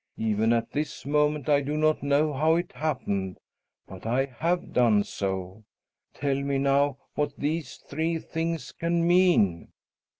Even at this moment I do not know how it happened, but I have done so. Tell me, now, what these three things can mean!"